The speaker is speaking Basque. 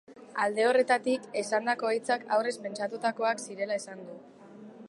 Alde horretatik, esandako hitzak aurrez pentsatutakoak zirela esan du.